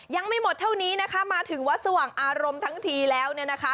ยังไม่หมดเท่านี้นะคะมาถึงวัดสว่างอารมณ์ทั้งทีแล้วเนี่ยนะคะ